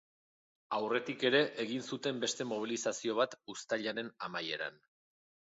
Aurretik ere egin zuten beste mobilizazio bat uztailaren amaieran.